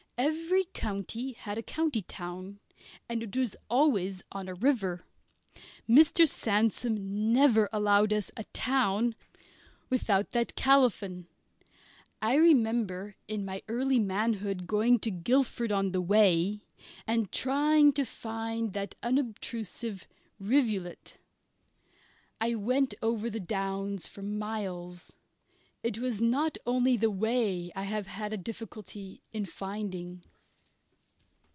Every county had a county town, and it was always on a river. Mr. Sandsome never allowed us a town without that colophon. I remember in my early manhood going to Guildford on the Wey, and trying to find that unobtrusive rivulet. I went over the downs for miles. It is not only the Wey I have had a difficulty in finding.